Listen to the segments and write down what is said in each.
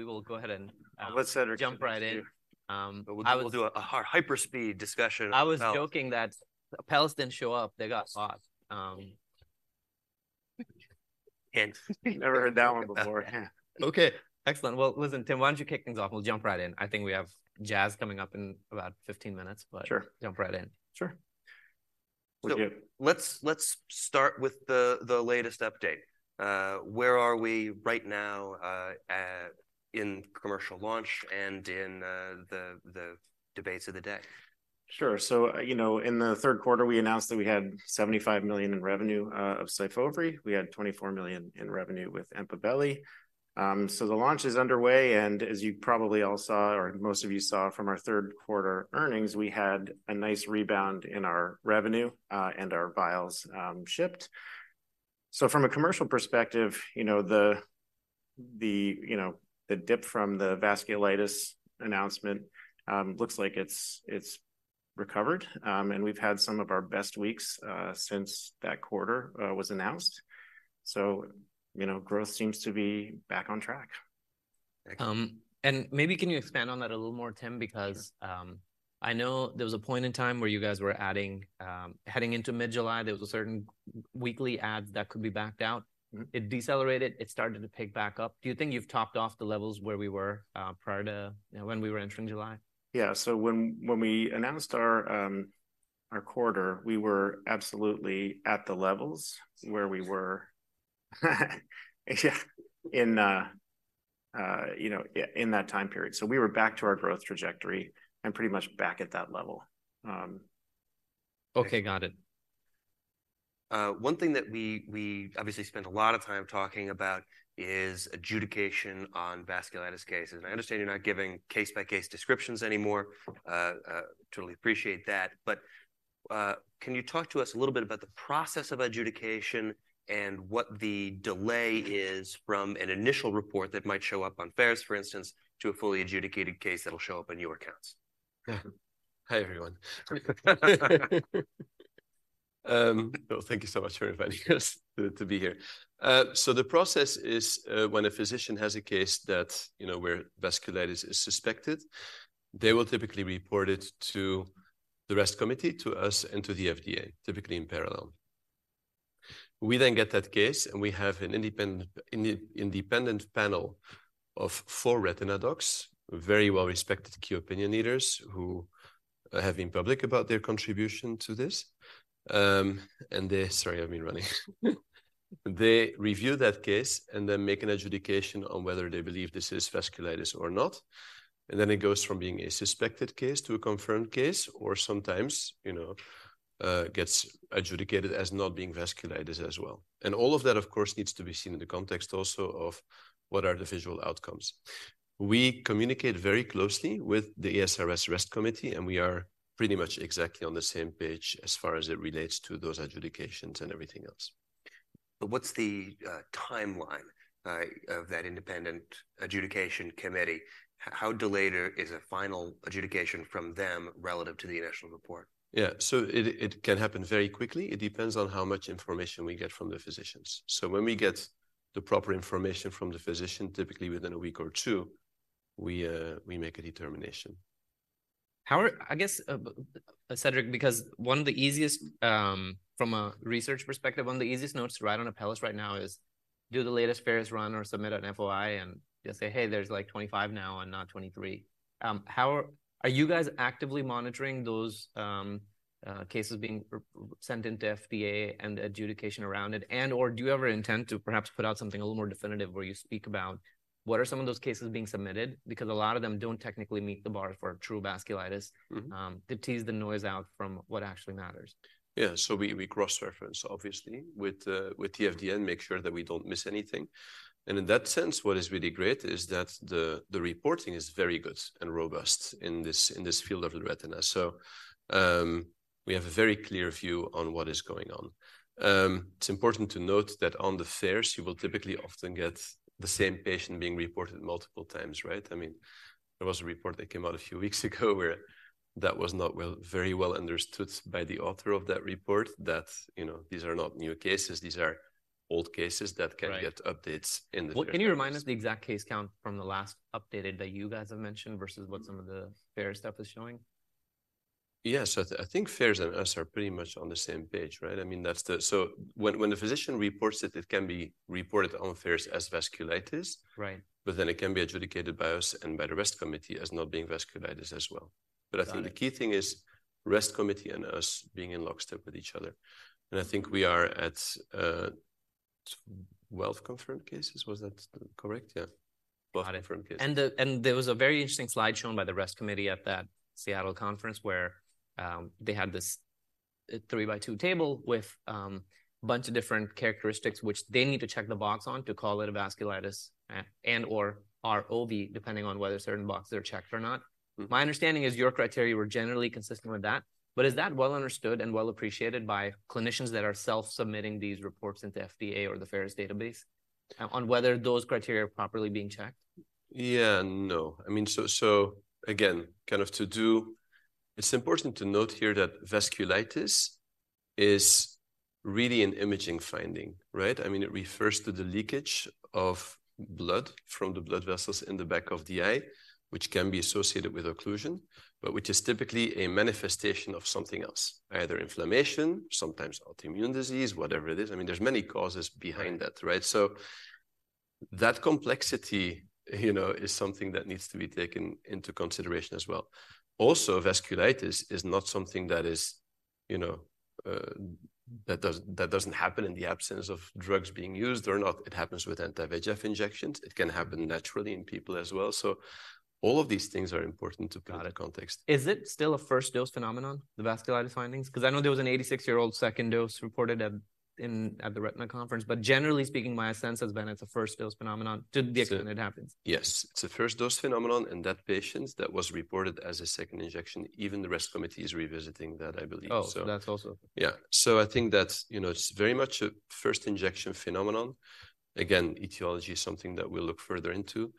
We will go ahead and, Let's set it- Jump right in. I was- We'll do a hyper speed discussion about- I was joking that Apellis didn't show up. They got caught. Hence, never heard that one before. Okay, excellent. Well, listen, Tim, why don't you kick things off? We'll jump right in. I think we have Jazz coming up in about 15 minutes, but- Sure. Jump right in. Sure. So- Let's start with the latest update. Where are we right now at in commercial launch and in the debates of the day? Sure. So, you know, in the third quarter, we announced that we had $75 million in revenue of SYFOVRE. We had $24 million in revenue with EMPAVELI. So the launch is underway, and as you probably all saw, or most of you saw from our third quarter earnings, we had a nice rebound in our revenue and our vials shipped. So from a commercial perspective, you know, the dip from the vasculitis announcement looks like it's recovered. And we've had some of our best weeks since that quarter was announced. So, you know, growth seems to be back on track. Maybe can you expand on that a little more, Tim? Sure. Because, I know there was a point in time where you guys were adding. Heading into mid-July, there was a certain weekly adds that could be backed out. Mm. It decelerated, it started to pick back up. Do you think you've topped off the levels where we were prior to, you know, when we were entering July? Yeah. So when we announced our quarter, we were absolutely at the levels where we were, yeah, in you know, yeah, in that time period. So we were back to our growth trajectory and pretty much back at that level. Okay, got it. One thing that we obviously spent a lot of time talking about is adjudication on vasculitis cases. I understand you're not giving case-by-case descriptions anymore, totally appreciate that. But can you talk to us a little bit about the process of adjudication and what the delay is from an initial report that might show up on FAERS, for instance, to a fully adjudicated case that'll show up on your accounts? Yeah. Hi, everyone. So thank you so much for inviting us to be here. So the process is, when a physician has a case that, you know, where vasculitis is suspected, they will typically report it to the ReST Committee, to us, and to the FDA, typically in parallel. We then get that case, and we have an independent panel of four retina docs, very well-respected key opinion leaders who have been public about their contribution to this. And they... Sorry, I've been running. They review that case and then make an adjudication on whether they believe this is vasculitis or not, and then it goes from being a suspected case to a confirmed case, or sometimes, you know, gets adjudicated as not being vasculitis as well. All of that, of course, needs to be seen in the context also of: what are the visual outcomes? We communicate very closely with the ASRS ReST Committee, and we are pretty much exactly on the same page as far as it relates to those adjudications and everything else. But what's the timeline of that independent adjudication committee? How delayed is a final adjudication from them relative to the initial report? Yeah. So it can happen very quickly. It depends on how much information we get from the physicians. So when we get the proper information from the physician, typically within a week or two, we make a determination. I guess, Cedric, because one of the easiest, from a research perspective, one of the easiest notes to write on Apellis right now is, do the latest FAERS run or submit an FOI, and just say, "Hey, there's, like, 25 now and not 23." How are you guys actively monitoring those, cases being resent into FDA and adjudication around it? And/or do you ever intend to perhaps put out something a little more definitive, where you speak about what are some of those cases being submitted? Because a lot of them don't technically meet the bar for true vasculitis- Mm-hmm... to tease the noise out from what actually matters. Yeah. So we cross-reference, obviously, with the FDA and make sure that we don't miss anything. And in that sense, what is really great is that the reporting is very good and robust in this field of the retina. So we have a very clear view on what is going on. It's important to note that on the FAERS, you will typically often get the same patient being reported multiple times, right? I mean, there was a report that came out a few weeks ago where that was not very well understood by the author of that report, that, you know, these are not new cases, these are old cases- Right... that can get updates in the FAERS. Well, can you remind us the exact case count from the last updated that you guys have mentioned versus what some of the FAERS stuff is showing? Yeah. So I think FAERS and us are pretty much on the same page, right? I mean, that's the- so when a physician reports it, it can be reported on FAERS as vasculitis- Right... but then it can be adjudicated by us and by the ReST Committee as not being vasculitis as well. Got it. But I think the key thing is ReST Committee and us being in lockstep with each other, and I think we are at 12 confirmed cases. Was that correct? Yeah. Got it. 12 confirmed cases. There was a very interesting slide shown by the ReST Committee at that Seattle conference, where they had this three-by-two table with bunch of different characteristics, which they need to check the box on to call it a vasculitis and/or ROV, depending on whether certain boxes are checked or not. Mm. My understanding is your criteria were generally consistent with that, but is that well understood and well appreciated by clinicians that are self-submitting these reports into FDA or the FAERS database, on whether those criteria are properly being checked? Yeah. No. I mean, so again, it's important to note here that vasculitis is really an imaging finding, right? I mean, it refers to the leakage of blood from the blood vessels in the back of the eye, which can be associated with occlusion, but which is typically a manifestation of something else, either inflammation, sometimes autoimmune disease, whatever it is. I mean, there's many causes behind that, right? So that complexity, you know, is something that needs to be taken into consideration as well. Also, vasculitis is not something that is, you know, that doesn't happen in the absence of drugs being used or not. It happens with anti-VEGF injections. It can happen naturally in people as well. So all of these things are important to put in context. Got it. Is it still a first-dose phenomenon, the vasculitis findings? 'Cause I know there was an 86-year-old second dose reported at the Retina Conference, but generally speaking, my sense has been it's a first-dose phenomenon to the extent it happens. Yes, it's a first-dose phenomenon, in that patient, that was reported as a second injection. Even the ReST Committee is revisiting that, I believe so. Oh, that's also- Yeah. So I think that's, you know, it's very much a first injection phenomenon. Again, etiology is something that we'll look further into.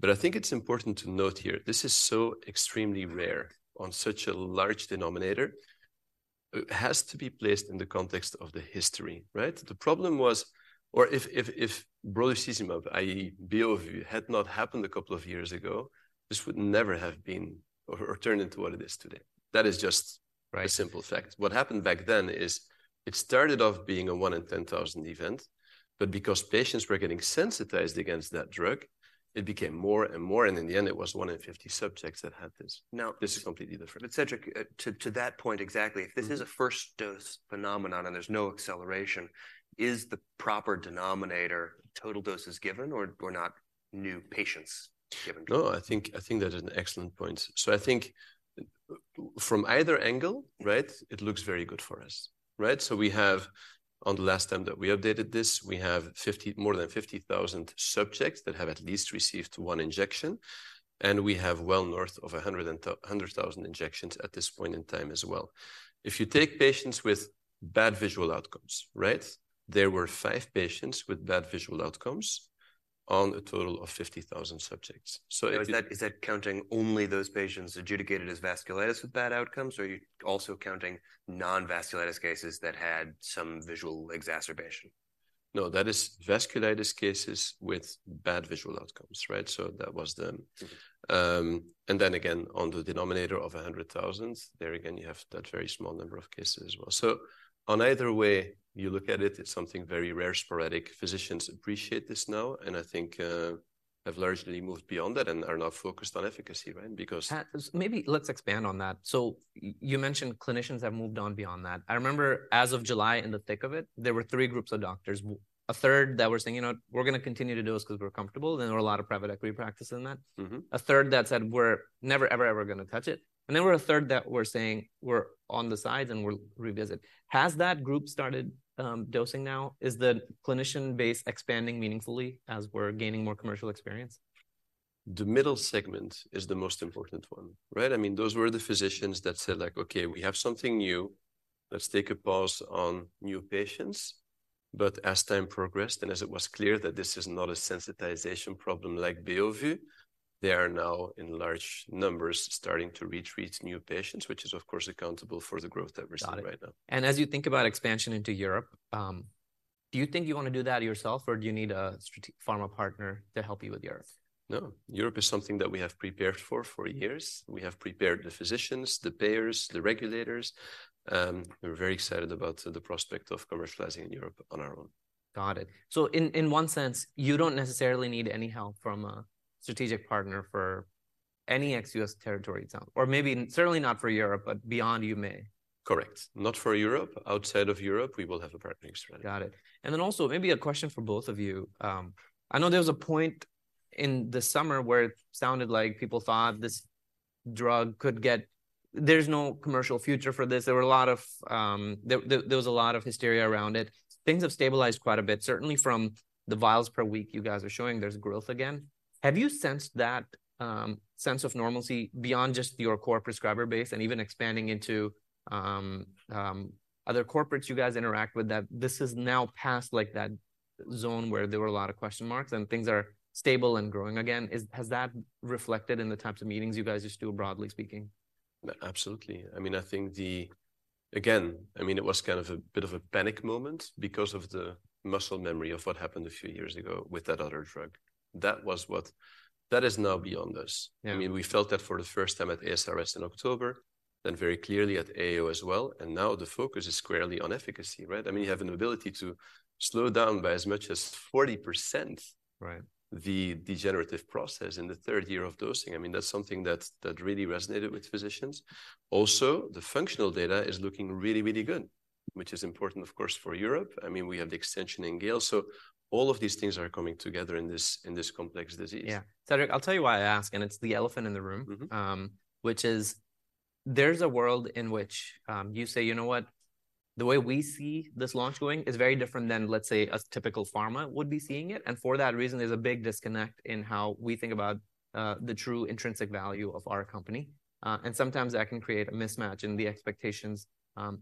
But I think it's important to note here, this is so extremely rare on such a large denominator. It has to be placed in the context of the history, right? The problem was, or if brolucizumab, i.e., Beovu, had not happened a couple of years ago, this would never have been or turned into what it is today. That is just- Right... a simple fact. What happened back then is it started off being a 1 in 10,000 event, but because patients were getting sensitized against that drug, it became more and more, and in the end, it was 1 in 50 subjects that had this. Now- This is completely different. But Cedric, to that point exactly- Mm-hmm. If this is a first-dose phenomenon and there's no acceleration, is the proper denominator total doses given or not new patients given? No, I think, I think that is an excellent point. So I think from either angle, right, it looks very good for us, right? So we have... On the last time that we updated this, we have more than 50,000 subjects that have at least received one injection, and we have well north of 100,000 injections at this point in time as well. If you take patients with bad visual outcomes, right? There were 5 patients with bad visual outcomes on a total of 50,000 subjects. So if you- Is that, is that counting only those patients adjudicated as vasculitis with bad outcomes, or are you also counting non-vasculitis cases that had some visual exacerbation? No, that is vasculitis cases with bad visual outcomes, right? So that was them. Mm-hmm. And then again, on the denominator of 100,000, there again, you have that very small number of cases as well. So on either way you look at it, it's something very rare, sporadic. Physicians appreciate this now, and I think, have largely moved beyond that and are now focused on efficacy, right? Because- Maybe let's expand on that. So you mentioned clinicians have moved on beyond that. I remember as of July, in the thick of it, there were three groups of doctors. A third that were saying, "You know what? We're going to continue to do this because we're comfortable." And there were a lot of private equity practice in that. Mm-hmm. A third that said, "We're never, ever, ever going to touch it." And there were a third that were saying, "We're on the sides, and we'll revisit." Has that group started dosing now? Is the clinician base expanding meaningfully as we're gaining more commercial experience? The middle segment is the most important one, right? I mean, those were the physicians that said, like: "Okay, we have something new. Let's take a pause on new patients." But as time progressed and as it was clear that this is not a sensitisation problem like Beovu, they are now in large numbers starting to retreat new patients, which is, of course, accountable for the growth that we're seeing right now. Got it. As you think about expansion into Europe, do you think you want to do that yourself, or do you need a strategic pharma partner to help you with Europe? No. Europe is something that we have prepared for for years. We have prepared the physicians, the payers, the regulators. We're very excited about the prospect of commercializing in Europe on our own. Got it. So in one sense, you don't necessarily need any help from a strategic partner for any ex-U.S. territory, too, or maybe certainly not for Europe, but beyond, you may. Correct. Not for Europe. Outside of Europe, we will have a partnering strategy. Got it. And then also, maybe a question for both of you. I know there was a point in the summer where it sounded like people thought this drug could get... There's no commercial future for this. There was a lot of hysteria around it. Things have stabilized quite a bit, certainly from the vials per week you guys are showing there's growth again. Have you sensed that sense of normalcy beyond just your core prescriber base and even expanding into other corporates you guys interact with, that this is now past, like, that zone where there were a lot of question marks and things are stable and growing again? Has that reflected in the types of meetings you guys just do, broadly speaking? Absolutely. I mean, I think... Again, I mean, it was kind of a bit of a panic moment because of the muscle memory of what happened a few years ago with that other drug. That is now beyond us. Yeah. I mean, we felt that for the first time at ASRS in October, then very clearly at AAO as well, and now the focus is squarely on efficacy, right? I mean, you have an ability to slow down by as much as 40%- Right... the degenerative process in the third year of dosing. I mean, that's something that really resonated with physicians. Also, the functional data is looking really, really good, which is important, of course, for Europe. I mean, we have the extension in GALE, so all of these things are coming together in this, in this complex disease. Yeah. Cedric, I'll tell you why I ask, and it's the elephant in the room- Mm-hmm... which is, there's a world in which you say, "You know what? The way we see this launch going is very different than, let's say, a typical pharma would be seeing it. And for that reason, there's a big disconnect in how we think about the true intrinsic value of our company." And sometimes that can create a mismatch in the expectations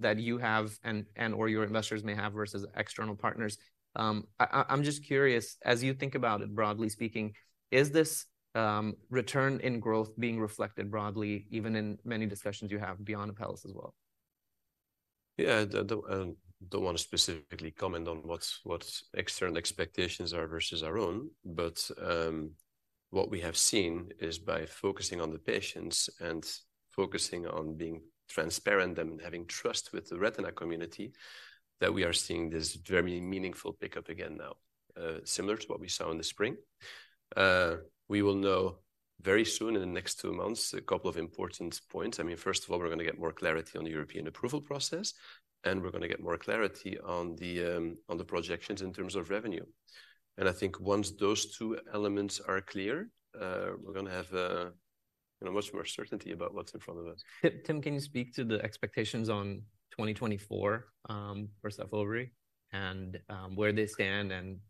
that you have and/or your investors may have versus external partners. I'm just curious, as you think about it, broadly speaking, is this return in growth being reflected broadly, even in many discussions you have beyond Apellis as well?... Yeah, I don't want to specifically comment on what's what external expectations are versus our own, but what we have seen is by focusing on the patients and focusing on being transparent and having trust with the retina community, that we are seeing this very meaningful pickup again now, similar to what we saw in the spring. We will know very soon, in the next two months, a couple of important points. I mean, first of all, we're going to get more clarity on the European approval process, and we're going to get more clarity on the projections in terms of revenue. And I think once those two elements are clear, we're going to have, you know, much more certainty about what's in front of us. Tim, can you speak to the expectations on 2024 for SYFOVRE and where they stand and-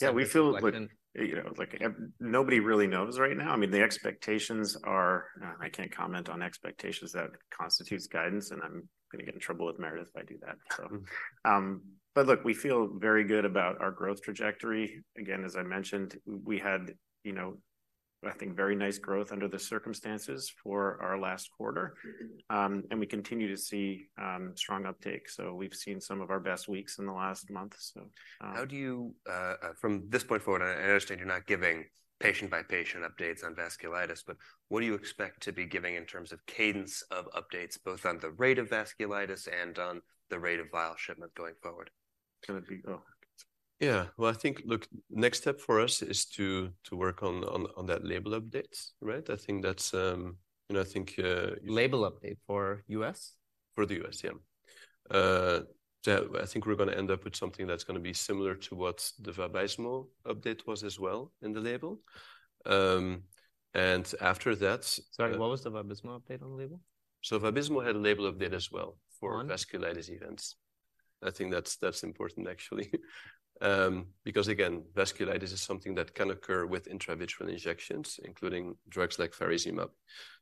Yeah, we feel- Like, you know, like, nobody really knows right now. I mean, the expectations are... I can't comment on expectations, that constitutes guidance, and I'm going to get in trouble with Meredith if I do that, so. But look, we feel very good about our growth trajectory. Again, as I mentioned, we had, you know, I think, very nice growth under the circumstances for our last quarter. And we continue to see strong uptake, so we've seen some of our best weeks in the last month, so. How do you, from this point forward, I understand you're not giving patient-by-patient updates on vasculitis, but what do you expect to be giving in terms of cadence of updates, both on the rate of vasculitis and on the rate of vial shipment going forward? Oh. Yeah. Well, I think, look, next step for us is to work on that label update, right? I think that's, you know, I think, Label update for U.S.? For the US, yeah. I think we're going to end up with something that's going to be similar to what the Vabysmo update was as well in the label. And after that- Sorry, what was the Vabysmo update on the label? Vabysmo had a label update as well- On?... for vasculitis events. I think that's, that's important actually. Because, again, vasculitis is something that can occur with intravitreal injections, including drugs like faricimab.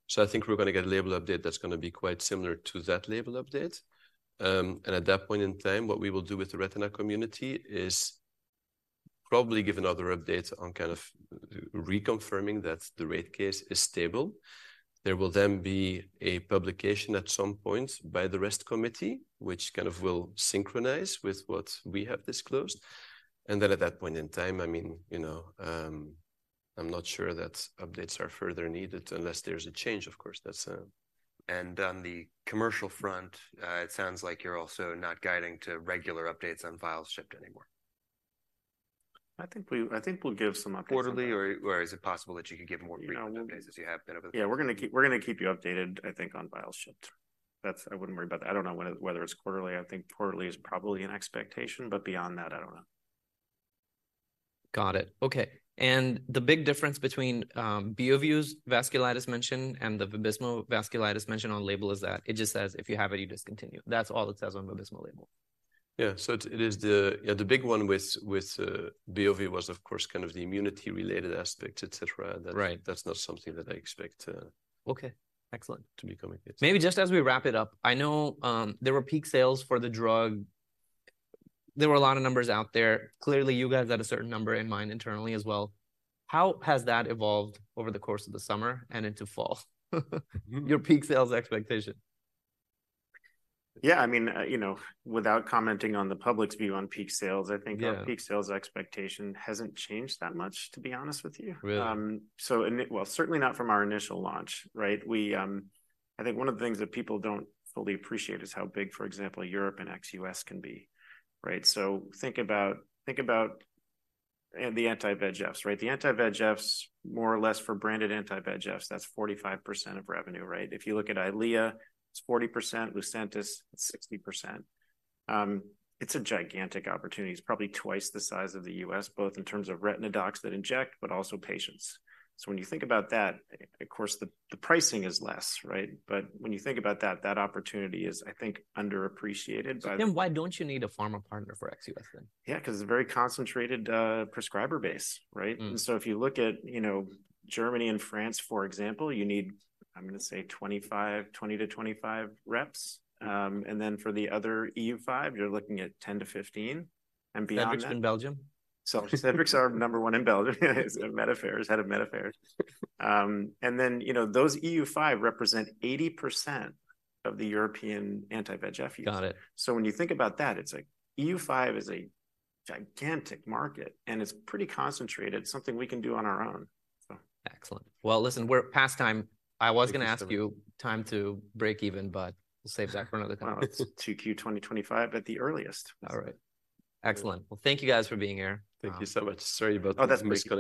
So I think we're going to get a label update that's going to be quite similar to that label update. And at that point in time, what we will do with the retina community is probably give another update on kind of reconfirming that the rate case is stable. There will then be a publication at some point by the ReST Committee, which kind of will synchronize with what we have disclosed. And then at that point in time, I mean, you know, I'm not sure that updates are further needed unless there's a change, of course, that's- On the commercial front, it sounds like you're also not guiding to regular updates on vials shipped anymore. I think we'll give some updates- Quarterly, or is it possible that you could give more frequent- You know- updates as you have been over the- Yeah, we're going to keep, we're going to keep you updated, I think, on vials shipped. That's. I wouldn't worry about that. I don't know whether, whether it's quarterly. I think quarterly is probably an expectation, but beyond that, I don't know. Got it. Okay. And the big difference between Beovu's vasculitis mention and the Vabysmo vasculitis mention on label is that it just says, "If you have it, you discontinue." That's all it says on Vabysmo label. Yeah. So it is the... Yeah, the big one with Beovu was, of course, kind of the immunity-related aspect, et cetera. Right. That's not something that I expect to- Okay, excellent... to be coming. It's- Maybe just as we wrap it up, I know there were peak sales for the drug. There were a lot of numbers out there. Clearly, you guys had a certain number in mind internally as well. How has that evolved over the course of the summer and into fall? Your peak sales expectation. Yeah, I mean, you know, without commenting on the public's view on peak sales- Yeah... I think our peak sales expectation hasn't changed that much, to be honest with you. Really? Well, certainly not from our initial launch, right? We, I think one of the things that people don't fully appreciate is how big, for example, Europe and ex US can be, right? So think about the anti-VEGFs, right? The anti-VEGFs, more or less for branded anti-VEGFs, that's 45% of revenue, right? If you look at Eylea, it's 40%, Lucentis, it's 60%. It's a gigantic opportunity. It's probably twice the size of the US, both in terms of retina docs that inject, but also patients. So when you think about that, of course, the pricing is less, right? But when you think about that, that opportunity is, I think, underappreciated by- Then why don't you need a pharma partner for ex-US then? Yeah, because it's a very concentrated prescriber base, right? Mm. If you look at, you know, Germany and France, for example, you need. I'm going to say 25, 20-25 reps. And then for the other EU5, you're looking at 10-15, and beyond that- Medics in Belgium? Medics are number one in Belgium, Medical Affairs, head of Medical Affairs. And then, you know, those EU5 represent 80% of the European anti-VEGF use. Got it. So when you think about that, it's like EU5 is a gigantic market, and it's pretty concentrated, something we can do on our own, so. Excellent. Well, listen, we're past time. I was going to ask you time to break even, but we'll save that for another time. Well, it's 2Q 2025 at the earliest. All right. Excellent. Well, thank you guys for being here. Thank you so much. Sorry about the- Oh, that's okay.